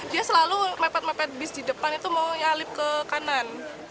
dia selalu mepet mepet bis di depan itu mau nyalip ke kanan